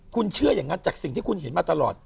คุณเชื่ออย่างนั้นจากสิ่งที่คุณเห็นมาตลอด